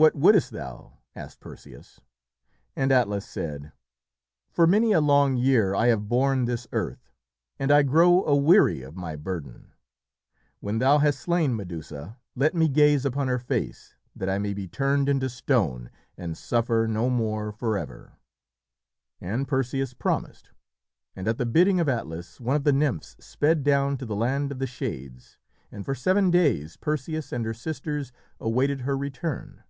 "What wouldst thou?" asked Perseus. And Atlas said, "For many a long year have I borne this earth, and I grow aweary of my burden. When thou hast slain Medusa, let me gaze upon her face, that I may be turned into stone and suffer no more forever." And Perseus promised, and at the bidding of Atlas one of the nymphs sped down to the land of the Shades, and for seven days Perseus and her sisters awaited her return.